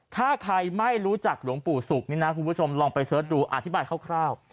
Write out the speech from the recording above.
ถ้าใครไม่รู้จักหลวงปู่ศุกร์นี่นะคุณผู้ชมลองไปเสิร์ชดูอธิบายคร่าว